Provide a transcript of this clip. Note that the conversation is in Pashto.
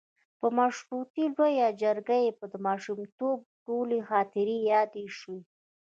په مشورتي لویه جرګه کې مې د ماشومتوب ټولې خاطرې یادې شوې.